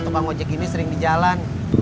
tukang ojek ini sering di jalan